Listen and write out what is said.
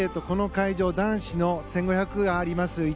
この会場男子の１５００ｍがあります。